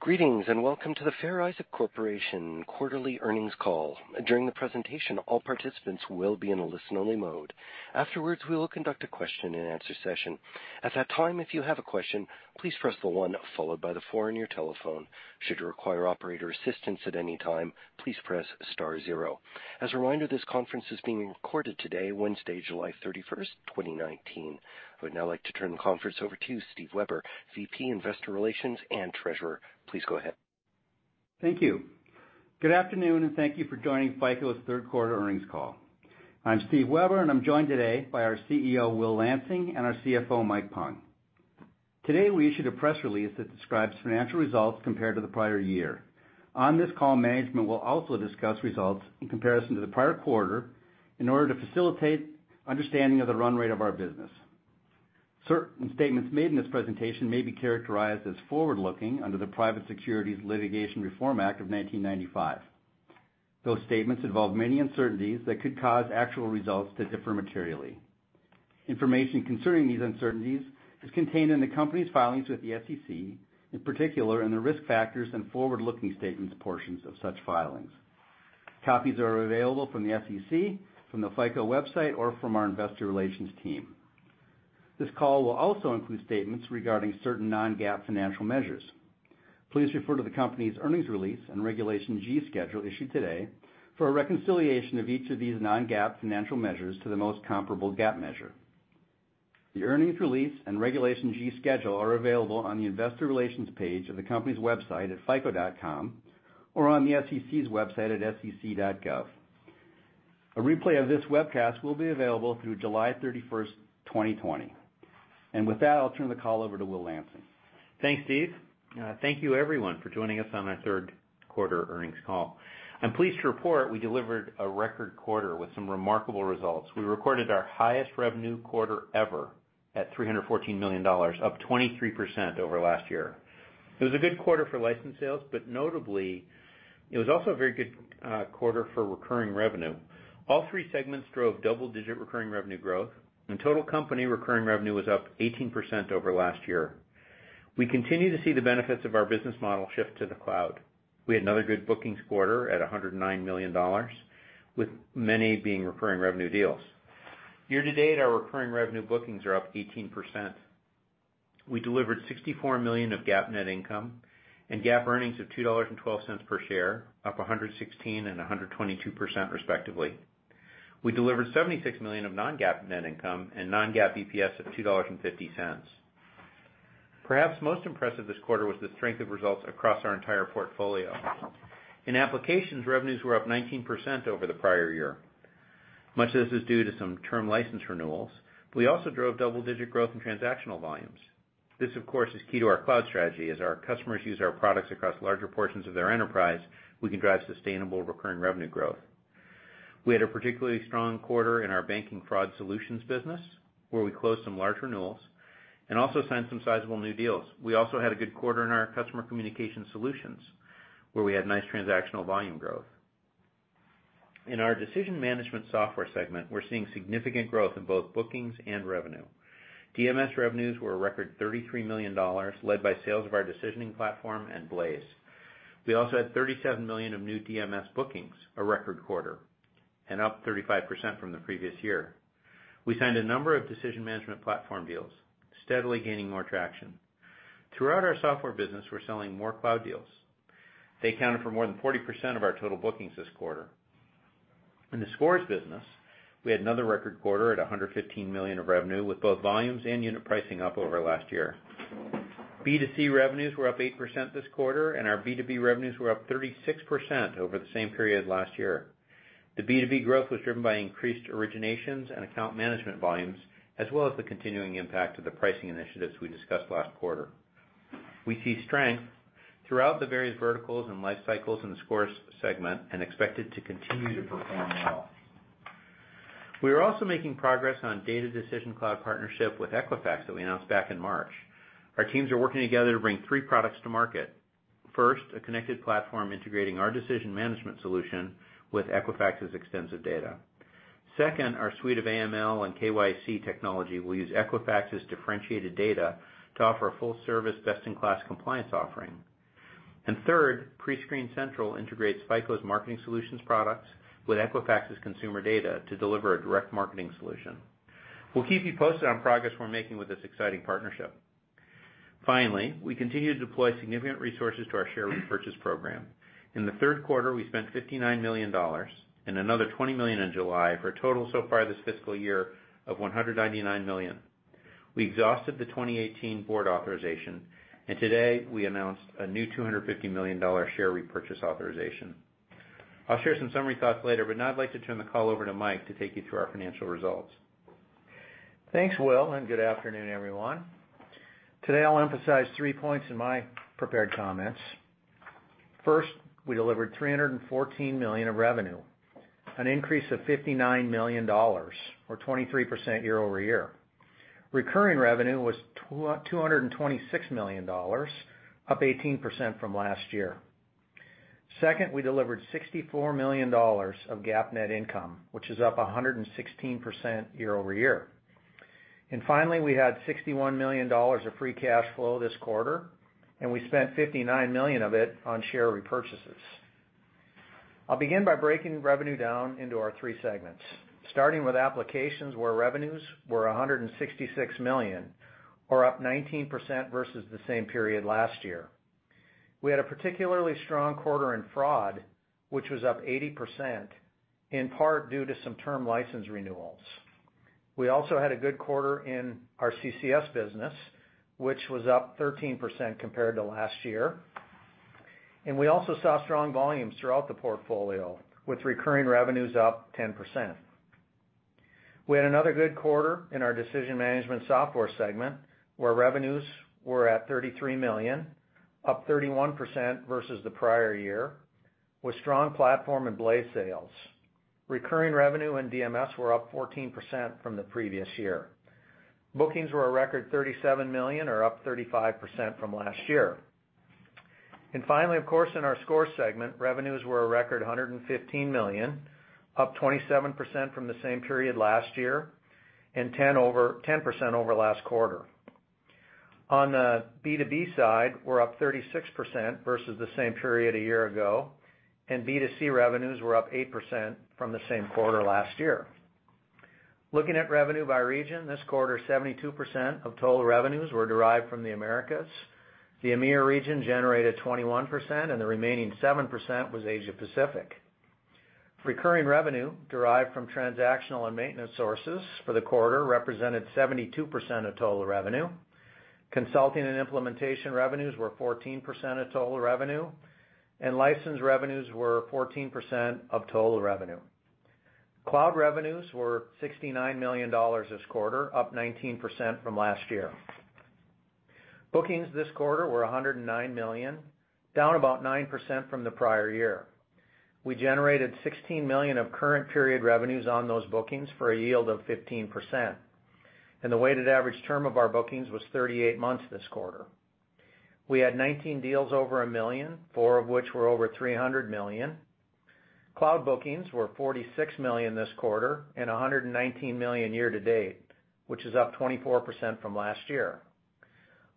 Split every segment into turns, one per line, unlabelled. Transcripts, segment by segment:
Greetings, and welcome to the Fair Isaac Corporation quarterly earnings call. During the presentation, all participants will be in a listen-only mode. Afterwards, we will conduct a question and answer session. At that time, if you have a question, please press the one followed by the four on your telephone. Should you require operator assistance at any time, please press star zero. As a reminder, this conference is being recorded today, Wednesday, July 31st, 2019. I would now like to turn the conference over to Steve Weber, VP, Investor Relations and Treasurer. Please go ahead.
Thank you. Good afternoon, and thank you for joining FICO's third quarter earnings call. I'm Steve Weber, and I'm joined today by our CEO, Will Lansing, and our CFO, Mike Pung. Today, we issued a press release that describes financial results compared to the prior year. On this call, management will also discuss results in comparison to the prior quarter in order to facilitate understanding of the run rate of our business. Certain statements made in this presentation may be characterized as forward-looking under the Private Securities Litigation Reform Act of 1995. Those statements involve many uncertainties that could cause actual results to differ materially. Information concerning these uncertainties is contained in the company's filings with the SEC, in particular in the risk factors and forward-looking statements portions of such filings. Copies are available from the SEC, from the FICO website, or from our investor relations team. This call will also include statements regarding certain non-GAAP financial measures. Please refer to the company's earnings release and Regulation G schedule issued today for a reconciliation of each of these non-GAAP financial measures to the most comparable GAAP measure. The earnings release and Regulation G schedule are available on the investor relations page of the company's website at fico.com or on the SEC's website at sec.gov. A replay of this webcast will be available through July 31st, 2020. With that, I'll turn the call over to Will Lansing.
Thanks, Steve. Thank you everyone for joining us on our third quarter earnings call. I'm pleased to report we delivered a record quarter with some remarkable results. We recorded our highest revenue quarter ever at $314 million, up 23% over last year. It was a good quarter for license sales, but notably, it was also a very good quarter for recurring revenue. All three segments drove double-digit recurring revenue growth, and total company recurring revenue was up 18% over last year. We continue to see the benefits of our business model shift to the cloud. We had another good bookings quarter at $109 million, with many being recurring revenue deals. Year-to-date, our recurring revenue bookings are up 18%. We delivered $64 million of GAAP net income and GAAP earnings of $2.12 per share, up 116% and 122% respectively. We delivered $76 million of non-GAAP net income and non-GAAP EPS of $2.50. Perhaps most impressive this quarter was the strength of results across our entire portfolio. In applications, revenues were up 19% over the prior year. Much of this is due to some term license renewals, but we also drove double-digit growth in transactional volumes. This, of course, is key to our cloud strategy. As our customers use our products across larger portions of their enterprise, we can drive sustainable recurring revenue growth. We had a particularly strong quarter in our banking fraud solutions business, where we closed some large renewals and also signed some sizable new deals. We also had a good quarter in our customer communication solutions, where we had nice transactional volume growth. In our Decision Management Software segment, we're seeing significant growth in both bookings and revenue. DMS revenues were a record $33 million, led by sales of our decisioning platform and Blaze. We also had $37 million of new DMS bookings, a record quarter, and up 35% from the previous year. We signed a number of Decision Management Platform deals, steadily gaining more traction. Throughout our software business, we're selling more cloud deals. They accounted for more than 40% of our total bookings this quarter. In the scores business, we had another record quarter at $115 million of revenue, with both volumes and unit pricing up over last year. B2C revenues were up 8% this quarter. Our B2B revenues were up 36% over the same period last year. The B2B growth was driven by increased Originations and account management volumes, as well as the continuing impact of the pricing initiatives we discussed last quarter. We see strength throughout the various verticals and life cycles in the scores segment and expect it to continue to perform well. We are also making progress on Data Decisions Cloud partnership with Equifax that we announced back in March. Our teams are working together to bring three products to market. First, a connected platform integrating our Decision Management solution with Equifax's extensive data. Second, our suite of AML and KYC technology will use Equifax's differentiated data to offer a full-service, best-in-class compliance offering. Third, PrescreenCentral integrates FICO's marketing solutions products with Equifax's consumer data to deliver a direct marketing solution. We'll keep you posted on progress we're making with this exciting partnership. We continue to deploy significant resources to our share repurchase program. In the third quarter, we spent $59 million and another $20 million in July for a total so far this fiscal year of $199 million. We exhausted the 2018 board authorization, and today we announced a new $250 million share repurchase authorization. I'll share some summary thoughts later, but now I'd like to turn the call over to Mike to take you through our financial results.
Thanks, Will, and good afternoon, everyone. Today, I'll emphasize three points in my prepared comments. First, we delivered $314 million of revenue, an increase of $59 million or 23% year-over-year. Recurring revenue was $226 million, up 18% from last year. Second, we delivered $64 million of GAAP net income, which is up 116% year-over-year. Finally, we had $61 million of free cash flow this quarter, and we spent $59 million of it on share repurchases. I'll begin by breaking revenue down into our three segments, starting with Applications where revenues were $166 million, or up 19% versus the same period last year. We had a particularly strong quarter in fraud, which was up 80%, in part due to some term license renewals. We also had a good quarter in our CCS business, which was up 13% compared to last year. We also saw strong volumes throughout the portfolio, with recurring revenues up 10%. We had another good quarter in our Decision Management Software segment, where revenues were at $33 million, up 31% versus the prior year, with strong platform and Blaze sales. Recurring revenue and DMS were up 14% from the previous year. Bookings were a record $37 million, or up 35% from last year. Finally, of course, in our Score segment, revenues were a record $115 million, up 27% from the same period last year and 10% over last quarter. On the B2B side, we're up 36% versus the same period a year ago, and B2C revenues were up 8% from the same quarter last year. Looking at revenue by region this quarter, 72% of total revenues were derived from the Americas. The EMEA region generated 21%, and the remaining 7% was Asia-Pacific. Recurring revenue derived from transactional and maintenance sources for the quarter represented 72% of total revenue. Consulting and implementation revenues were 14% of total revenue, and license revenues were 14% of total revenue. Cloud revenues were $69 million this quarter, up 19% from last year. Bookings this quarter were $109 million, down about 9% from the prior year. We generated $16 million of current period revenues on those bookings, for a yield of 15%. The weighted average term of our bookings was 38 months this quarter. We had 19 deals over $1 million, four of which were over $300 million. Cloud bookings were $46 million this quarter and $119 million year-to-date, which is up 24% from last year.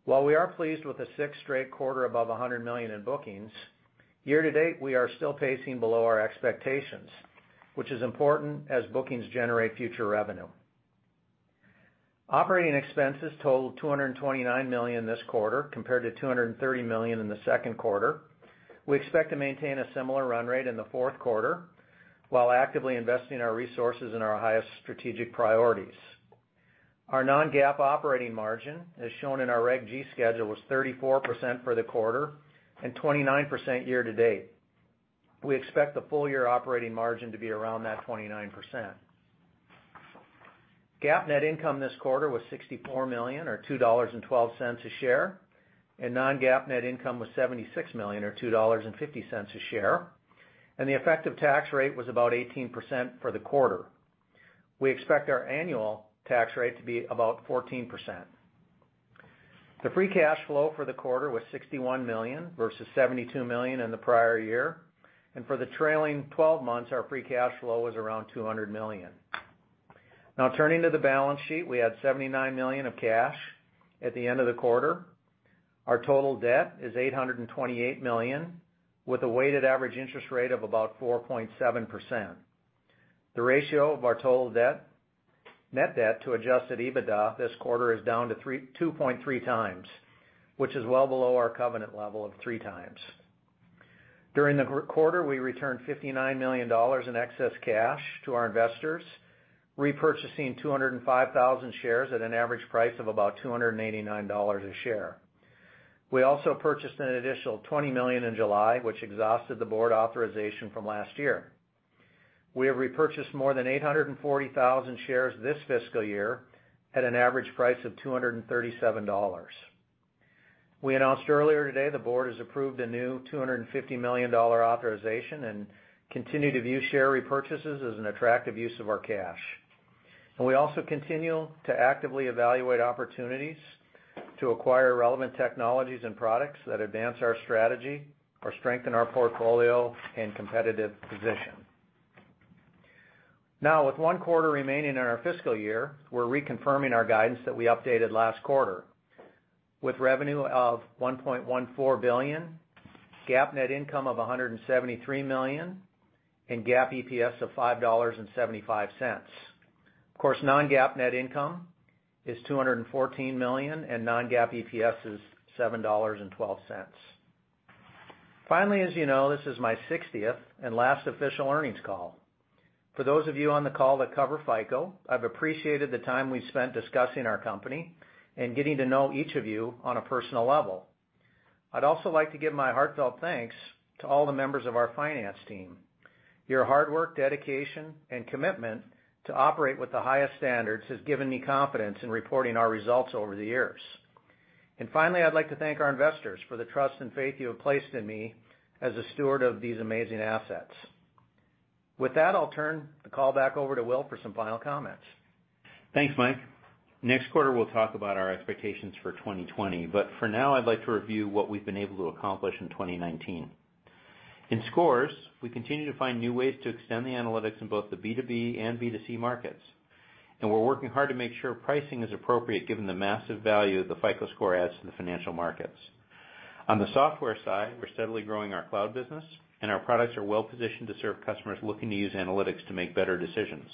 While we are pleased with the sixth straight quarter above $100 million in bookings, year-to-date, we are still pacing below our expectations, which is important as bookings generate future revenue. Operating expenses totaled $229 million this quarter, compared to $230 million in the second quarter. We expect to maintain a similar run rate in the fourth quarter while actively investing our resources in our highest strategic priorities. Our non-GAAP operating margin, as shown in our Reg G schedule, was 34% for the quarter and 29% year-to-date. We expect the full-year operating margin to be around that 29%. GAAP net income this quarter was $64 million or $2.12 a share, non-GAAP net income was $76 million or $2.50 a share, the effective tax rate was about 18% for the quarter. We expect our annual tax rate to be about 14%. The free cash flow for the quarter was $61 million versus $72 million in the prior year. For the trailing 12 months, our free cash flow was around $200 million. Turning to the balance sheet, we had $79 million of cash at the end of the quarter. Our total debt is $828 million, with a weighted average interest rate of about 4.7%. The ratio of our total net debt to adjusted EBITDA this quarter is down to 2.3 times, which is well below our covenant level of 3 times. During the quarter, we returned $59 million in excess cash to our investors, repurchasing 205,000 shares at an average price of about $289 a share. We also purchased an additional $20 million in July, which exhausted the board authorization from last year. We have repurchased more than 840,000 shares this fiscal year at an average price of $237. We announced earlier today the board has approved a new $250 million authorization and continue to view share repurchases as an attractive use of our cash. We also continue to actively evaluate opportunities to acquire relevant technologies and products that advance our strategy or strengthen our portfolio and competitive position. Now, with one quarter remaining in our fiscal year, we're reconfirming our guidance that we updated last quarter with revenue of $1.14 billion, GAAP net income of $173 million, and GAAP EPS of $5.75. Of course, non-GAAP net income is $214 million, and non-GAAP EPS is $7.12. Finally, as you know, this is my 60th and last official earnings call. For those of you on the call that cover FICO, I've appreciated the time we've spent discussing our company and getting to know each of you on a personal level. I'd also like to give my heartfelt thanks to all the members of our finance team. Your hard work, dedication, and commitment to operate with the highest standards has given me confidence in reporting our results over the years. Finally, I'd like to thank our investors for the trust and faith you have placed in me as a steward of these amazing assets. With that, I'll turn the call back over to Will for some final comments.
Thanks, Mike. For now, I'd like to review what we've been able to accomplish in 2019. In scores, we continue to find new ways to extend the analytics in both the B2B and B2C markets. We're working hard to make sure pricing is appropriate given the massive value the FICO Score adds to the financial markets. On the software side, we're steadily growing our cloud business. Our products are well-positioned to serve customers looking to use analytics to make better decisions.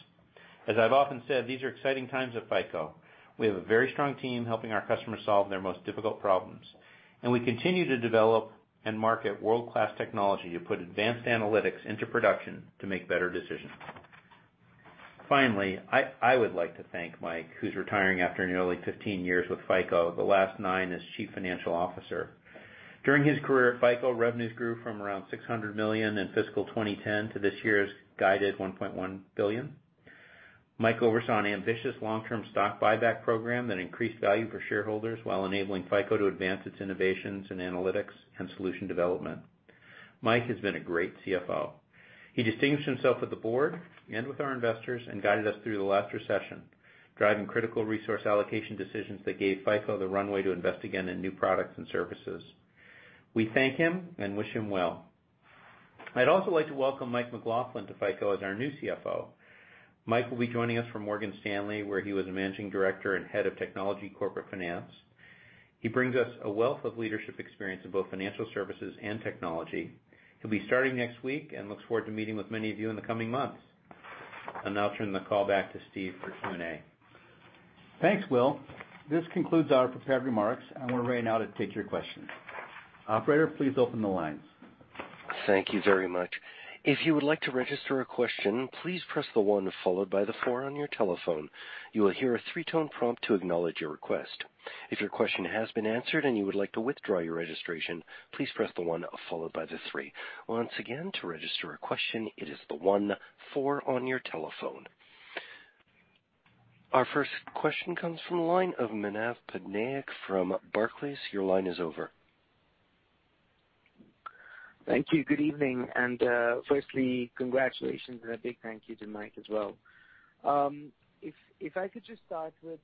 As I've often said, these are exciting times at FICO. We have a very strong team helping our customers solve their most difficult problems. We continue to develop and market world-class technology to put advanced analytics into production to make better decisions. Finally, I would like to thank Mike, who's retiring after nearly 15 years with FICO, the last nine as Chief Financial Officer. During his career at FICO, revenues grew from around $600 million in FY 2010 to this year's guided $1.1 billion. Mike oversaw an ambitious long-term stock buyback program that increased value for shareholders while enabling FICO to advance its innovations in analytics and solution development. Mike has been a great CFO. He distinguished himself with the board and with our investors and guided us through the last recession, driving critical resource allocation decisions that gave FICO the runway to invest again in new products and services. We thank him and wish him well. I'd also like to welcome Mike McLaughlin to FICO as our new CFO. Mike will be joining us from Morgan Stanley, where he was a Managing Director and Head of Technology Corporate Finance. He brings us a wealth of leadership experience in both financial services and technology. He'll be starting next week and looks forward to meeting with many of you in the coming months. I'll now turn the call back to Steve for Q&A.
Thanks, Will. This concludes our prepared remarks, and we're ready now to take your questions. Operator, please open the lines.
Thank you very much. If you would like to register a question, please press the one followed by the four on your telephone. You will hear a 3-tone prompt to acknowledge your request. If your question has been answered and you would like to withdraw your registration, please press the one followed by the three. Once again, to register a question, it is the one, four on your telephone. Our first question comes from the line of Manav Patnaik from Barclays. Your line is over.
Thank you. Good evening. Firstly, congratulations, and a big thank you to Mike as well. If I could just start with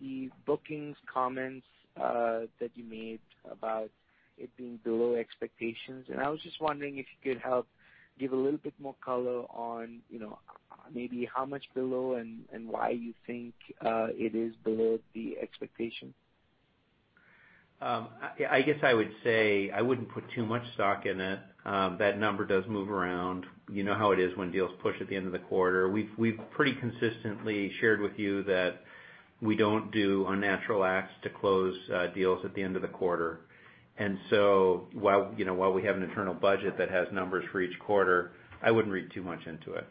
the bookings comments that you made about it being below expectations. I was just wondering if you could help give a little bit more color on maybe how much below and why you think it is below the expectation.
I guess I would say I wouldn't put too much stock in it. That number does move around. You know how it is when deals push at the end of the quarter. We've pretty consistently shared with you that we don't do unnatural acts to close deals at the end of the quarter, and so while we have an internal budget that has numbers for each quarter, I wouldn't read too much into it.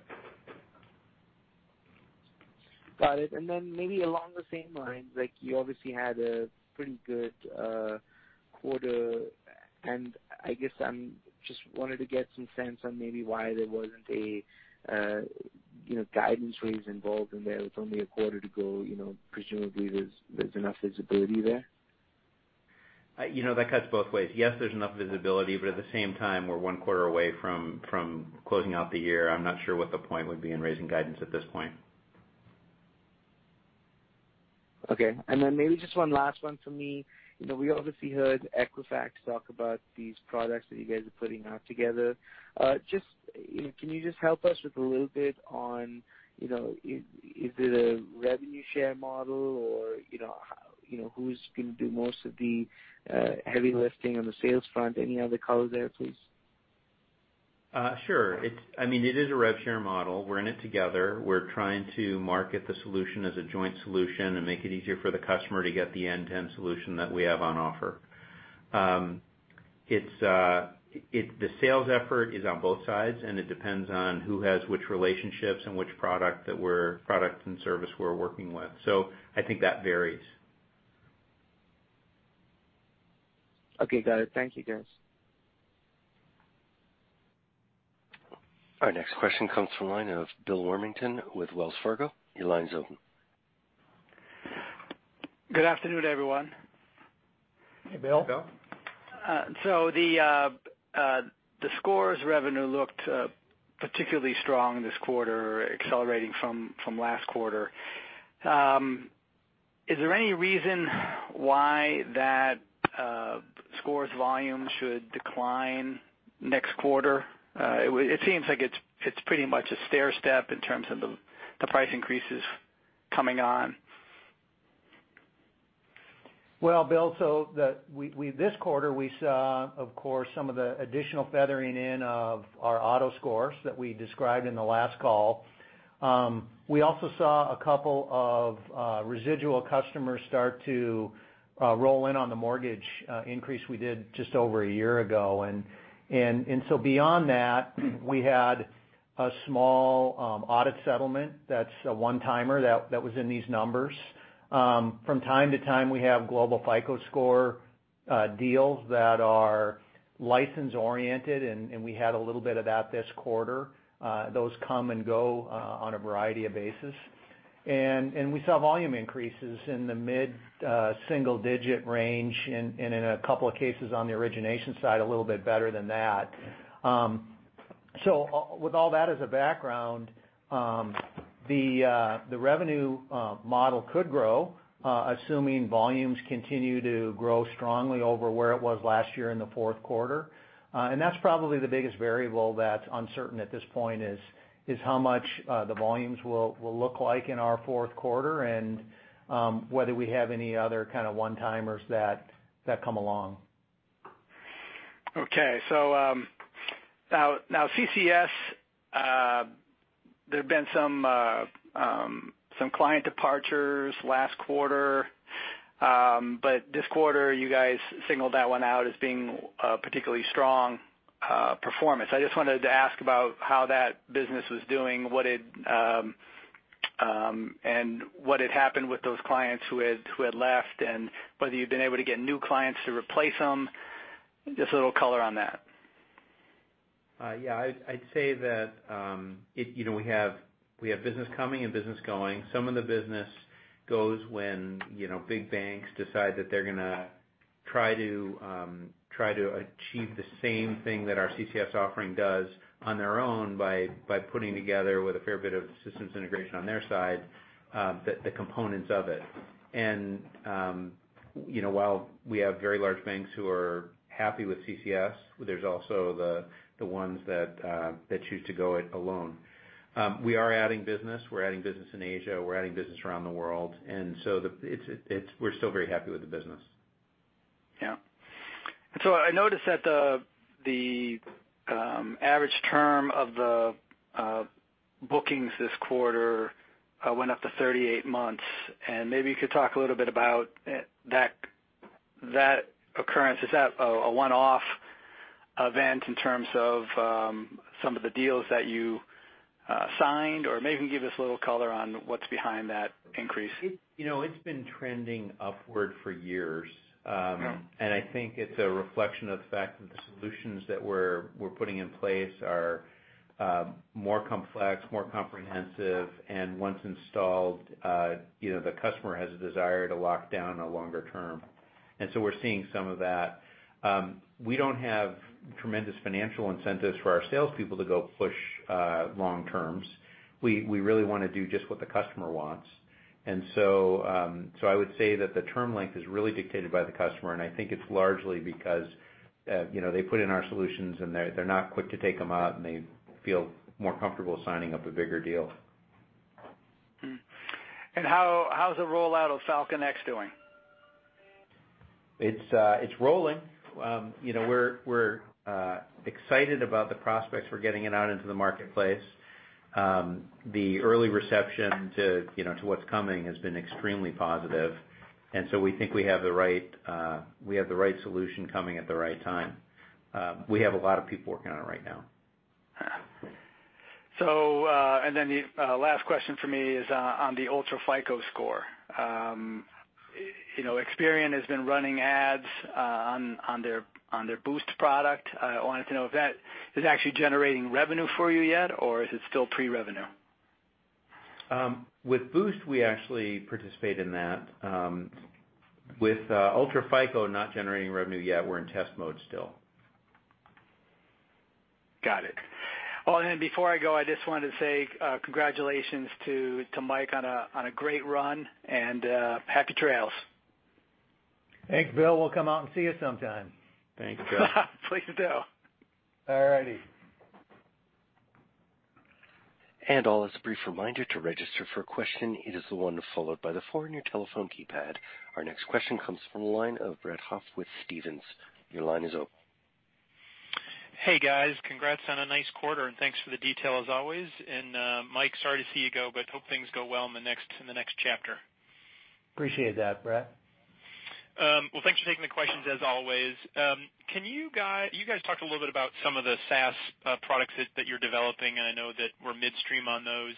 Got it. Then maybe along the same lines, you obviously had a pretty good quarter, and I guess I just wanted to get some sense on maybe why there wasn't a guidance raise involved in there with only a quarter to go. Presumably, there's enough visibility there.
That cuts both ways. Yes, there's enough visibility, but at the same time, we're one quarter away from closing out the year. I'm not sure what the point would be in raising guidance at this point.
Okay. Maybe just one last one from me. We obviously heard Equifax talk about these products that you guys are putting out together. Can you just help us with a little bit on, is it a revenue share model or who's going to do most of the heavy lifting on the sales front? Any other color there, please?
Sure. It is a rev share model. We're in it together. We're trying to market the solution as a joint solution and make it easier for the customer to get the end-to-end solution that we have on offer. The sales effort is on both sides, and it depends on who has which relationships and which product and service we're working with. I think that varies.
Okay. Got it. Thank you, guys.
Our next question comes from the line of Bill Warmington with Wells Fargo. Your line's open.
Good afternoon, everyone.
Hey, Bill.
Hey, Bill.
The Scores revenue looked particularly strong this quarter, accelerating from last quarter. Is there any reason why that Scores volume should decline next quarter? It seems like it's pretty much a stairstep in terms of the price increases coming on.
Bill, this quarter we saw, of course, some of the additional feathering in of our auto scores that we described in the last call. We also saw a couple of residual customers start to roll in on the mortgage increase we did just over a year ago. Beyond that, we had a small audit settlement that's a one-timer that was in these numbers. From time to time, we have global FICO® Score deals that are license-oriented, and we had a little bit of that this quarter. Those come and go on a variety of bases. We saw volume increases in the mid-single-digit range and in a couple of cases on the origination side, a little bit better than that.
With all that as a background, the revenue model could grow, assuming volumes continue to grow strongly over where it was last year in the fourth quarter. That's probably the biggest variable that's uncertain at this point is how much the volumes will look like in our fourth quarter and whether we have any other kind of one-timers that come along.
Okay. Now CCS, there have been some client departures last quarter. This quarter, you guys signaled that one out as being a particularly strong performance. I just wanted to ask about how that business was doing and what had happened with those clients who had left, and whether you've been able to get new clients to replace them. Just a little color on that.
Yeah, I'd say that we have business coming and business going. Some of the business goes when big banks decide that they're going to try to achieve the same thing that our CCS offering does on their own by putting together with a fair bit of systems integration on their side, the components of it. While we have very large banks who are happy with CCS, there's also the ones that choose to go it alone. We are adding business. We're adding business in Asia, we're adding business around the world. We're still very happy with the business.
Yeah. I noticed that the average term of the bookings this quarter went up to 38 months. Maybe you could talk a little bit about that occurrence. Is that a one-off event in terms of some of the deals that you signed, or maybe give us a little color on what's behind that increase?
It's been trending upward for years.
Yeah.
I think it's a reflection of the fact that the solutions that we're putting in place are more complex, more comprehensive, and once installed the customer has a desire to lock down a longer term. We're seeing some of that. We don't have tremendous financial incentives for our salespeople to go push long terms. We really want to do just what the customer wants. I would say that the term length is really dictated by the customer, and I think it's largely because they put in our solutions, and they're not quick to take them out, and they feel more comfortable signing up a bigger deal.
How's the rollout of Falcon X doing?
It's rolling. We're excited about the prospects for getting it out into the marketplace. The early reception to what's coming has been extremely positive. We think we have the right solution coming at the right time. We have a lot of people working on it right now.
The last question from me is on the UltraFICO Score. Experian has been running ads on their Boost product. I wanted to know if that is actually generating revenue for you yet, or is it still pre-revenue?
With Boost, we actually participate in that. With UltraFICO, not generating revenue yet, we're in test mode still.
Got it. Before I go, I just wanted to say congratulations to Mike on a great run and happy trails.
Thanks, Bill. We'll come out and see you sometime.
Thanks, Bill.
Please do.
All righty.
All as a brief reminder to register for a question, it is the one followed by the four on your telephone keypad. Our next question comes from the line of Brett Huff with Stephens. Your line is open.
Hey, guys. Congrats on a nice quarter, thanks for the detail, as always. Mike, sorry to see you go, but hope things go well in the next chapter.
Appreciate that, Brett.
Well, thanks for taking the questions, as always. You guys talked a little bit about some of the SaaS products that you're developing, I know that we're midstream on those.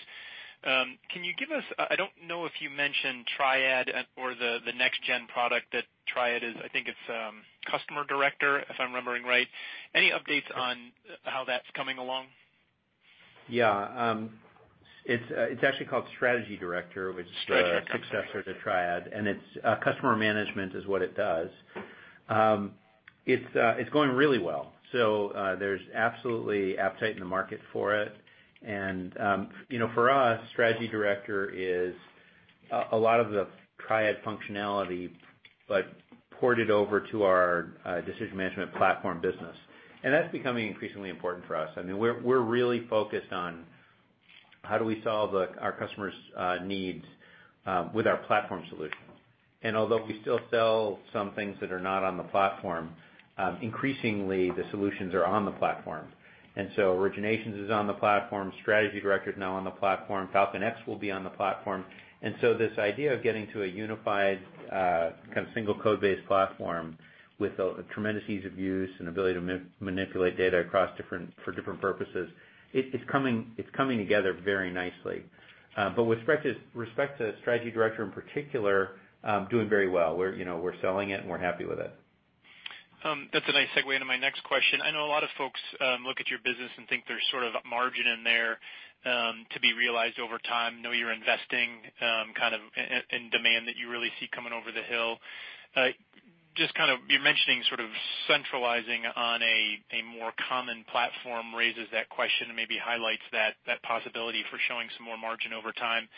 I don't know if you mentioned TRIAD or the next gen product that TRIAD is. I think it's Customer Director, if I'm remembering right. Any updates on how that's coming along?
Yeah. It's actually called Strategy Director.
Strategy Director
Which is the successor to TRIAD, and customer management is what it does. It's going really well. There's absolutely appetite in the market for it. For us, Strategy Director is a lot of the TRIAD functionality, but ported over to our decision management platform business. That's becoming increasingly important for us. We're really focused on how do we solve our customers' needs with our platform solution. Although we still sell some things that are not on the platform, increasingly the solutions are on the platform. Originations is on the platform, Strategy Director's now on the platform, FalconX will be on the platform. This idea of getting to a unified, single code-based platform with a tremendous ease of use and ability to manipulate data for different purposes, it's coming together very nicely. With respect to Strategy Director in particular, doing very well. We're selling it, and we're happy with it.
That's a nice segue into my next question. I know a lot of folks look at your business and think there's sort of a margin in there to be realized over time. I know you're investing in demand that you really see coming over the hill. Just you're mentioning centralizing on a more common platform raises that question and maybe highlights that possibility for showing some more margin over time.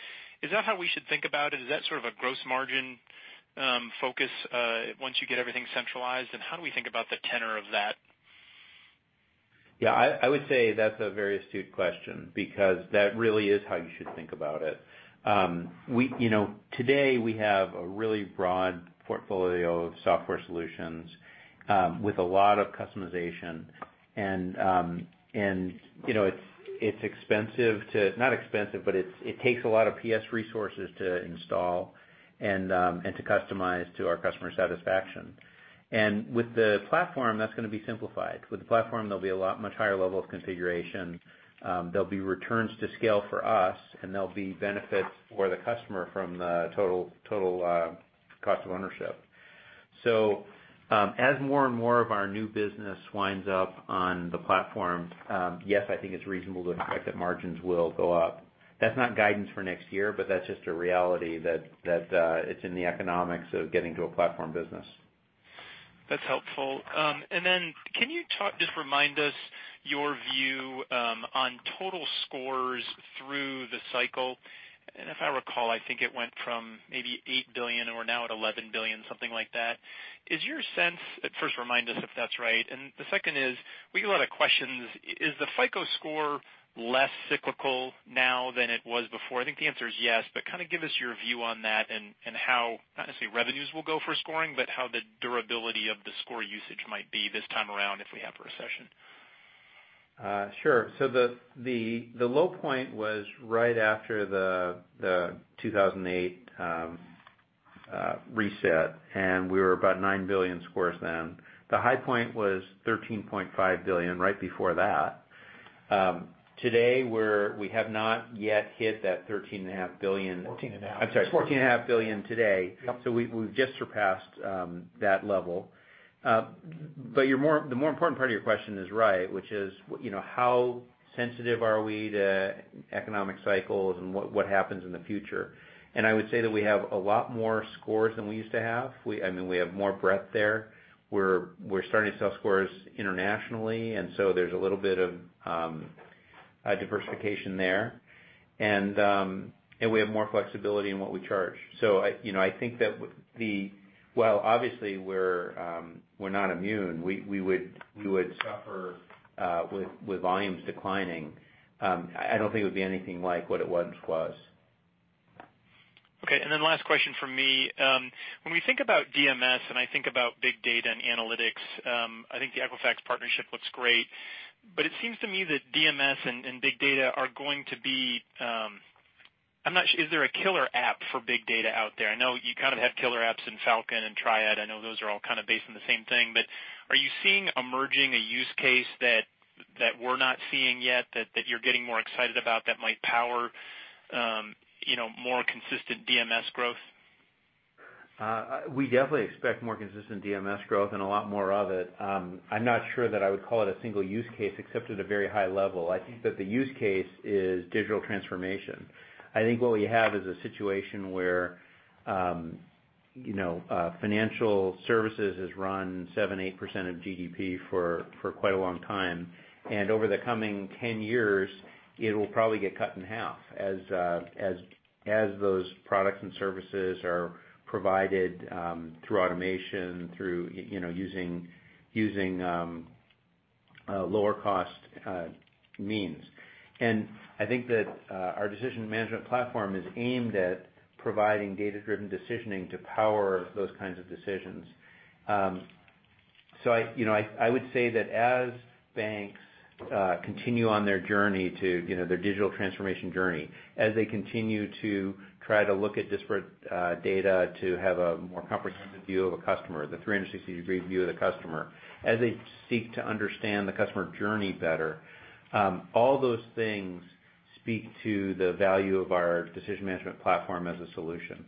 Is that how we should think about it? Is that sort of a gross margin focus once you get everything centralized, and how do we think about the tenor of that?
Yeah, I would say that's a very astute question because that really is how you should think about it. Today we have a really broad portfolio of software solutions with a lot of customization. It's expensive to not expensive, but it takes a lot of PS resources to install and to customize to our customer satisfaction. With the platform, that's going to be simplified. With the platform, there'll be a much higher level of configuration. There'll be returns to scale for us, there'll be benefits for the customer from the total cost of ownership. As more and more of our new business winds up on the platform, yes, I think it's reasonable to expect that margins will go up. That's not guidance for next year, but that's just a reality that it's in the economics of getting to a platform business.
That's helpful. Can you just remind us your view on total scores through the cycle? If I recall, I think it went from maybe $8 billion and we're now at $11 billion, something like that. Is your sense-- first remind us if that's right. The second is, we get a lot of questions. Is the FICO® Score less cyclical now than it was before? I think the answer is yes, but kind of give us your view on that and how, not necessarily revenues will go for scoring, but how the durability of the score usage might be this time around if we have a recession.
Sure. The low point was right after the 2008 reset, and we were about nine billion scores then. The high point was 13.5 billion right before that. Today, we have not yet hit that 13.5 billion.
14.5.
I'm sorry, $14.5 billion today.
Yep.
We've just surpassed that level. The more important part of your question is right, which is, how sensitive are we to economic cycles and what happens in the future? I would say that we have a lot more scores than we used to have. We have more breadth there. We're starting to sell scores internationally, and so there's a little bit of diversification there. We have more flexibility in what we charge. I think that while obviously we're not immune, we would suffer with volumes declining. I don't think it would be anything like what it once was.
Okay, last question from me. When we think about DMS and I think about big data and analytics, I think the Equifax partnership looks great. It seems to me that DMS and big data, I'm not sure, is there a killer app for big data out there? I know you kind of have killer apps in Falcon and TRIAD. I know those are all kind of based on the same thing. Are you seeing emerging a use case that we're not seeing yet that you're getting more excited about that might power more consistent DMS growth?
We definitely expect more consistent DMS growth and a lot more of it. I'm not sure that I would call it a single use case, except at a very high level. I think that the use case is digital transformation. I think what we have is a situation where financial services has run 7%-8% of GDP for quite a long time. Over the coming 10 years, it'll probably get cut in half as those products and services are provided through automation, through using lower cost means. I think that our Decision Management Platform is aimed at providing data-driven decisioning to power those kinds of decisions. I would say that as banks continue on their digital transformation journey, as they continue to try to look at disparate data to have a more comprehensive view of a customer, the 360-degree view of the customer, as they seek to understand the customer journey better, all those things speak to the value of our Decision Management Platform as a solution.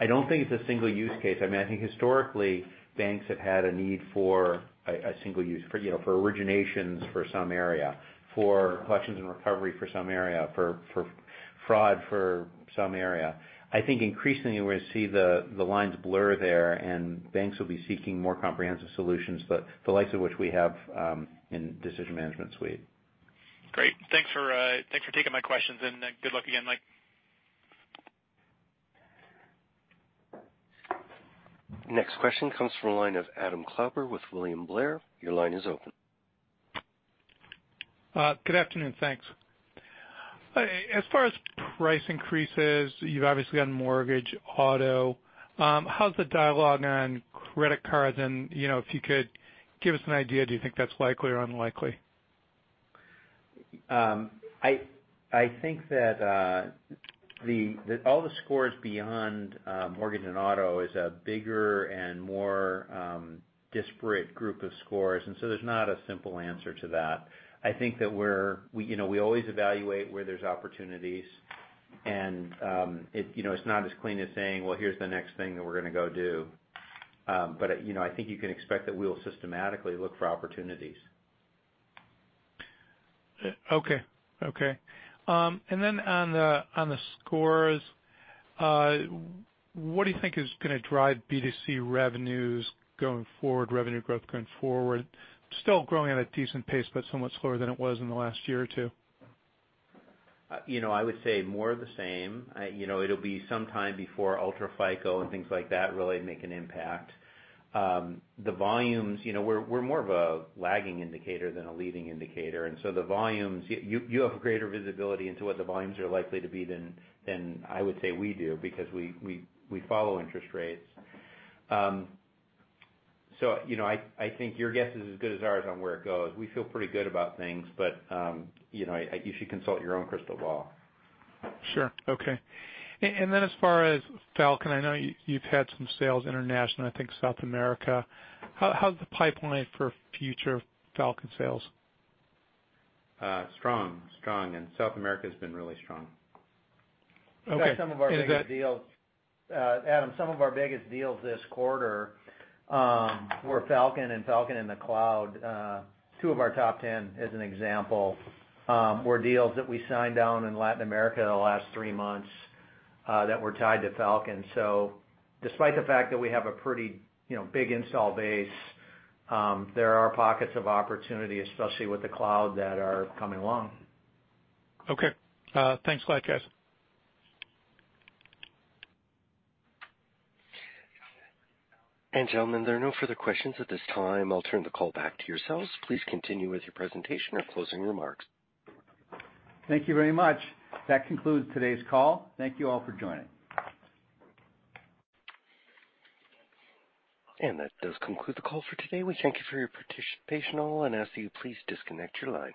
I don't think it's a single use case. I think historically, banks have had a need for a single use, for Originations for some area, for collections and recovery for some area, for fraud for some area. I think increasingly, we're going to see the lines blur there, and banks will be seeking more comprehensive solutions, the likes of which we have in Decision Management Suite.
Great. Thanks for taking my questions and good luck again, Mike.
Next question comes from the line of Adam Klauber with William Blair. Your line is open.
Good afternoon. Thanks. As far as price increases, you've obviously gotten mortgage, auto. How's the dialogue on credit cards? If you could give us an idea, do you think that's likely or unlikely?
I think that all the scores beyond mortgage and auto is a bigger and more disparate group of scores. There's not a simple answer to that. I think that we always evaluate where there's opportunities, and it's not as clean as saying, "Well, here's the next thing that we're going to go do." I think you can expect that we'll systematically look for opportunities.
Okay. On the scores, what do you think is going to drive B2C revenues going forward, revenue growth going forward? Still growing at a decent pace, somewhat slower than it was in the last year or two.
I would say more of the same. It'll be some time before UltraFICO and things like that really make an impact. The volumes, we're more of a lagging indicator than a leading indicator, and so the volumes, you have greater visibility into what the volumes are likely to be than, I would say, we do, because we follow interest rates. I think your guess is as good as ours on where it goes. We feel pretty good about things, but you should consult your own crystal ball.
Sure. Okay. As far as Falcon, I know you've had some sales international, I think South America. How's the pipeline for future Falcon sales?
Strong. South America's been really strong.
Okay.
In fact, Adam, some of our biggest deals this quarter were Falcon and Falcon in the cloud. Two of our top 10, as an example, were deals that we signed down in Latin America in the last three months that were tied to Falcon. Despite the fact that we have a pretty big install base, there are pockets of opportunity, especially with the cloud, that are coming along.
Okay. Thanks a lot, guys.
Gentlemen, there are no further questions at this time. I'll turn the call back to yourselves. Please continue with your presentation or closing remarks.
Thank you very much. That concludes today's call. Thank you all for joining.
That does conclude the call for today. We thank you for your participation and ask that you please disconnect your line.